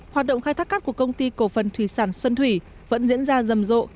hoạt động khai thác cát của công ty cổ phần thủy sản xuân thủy vẫn diễn ra rầm rộ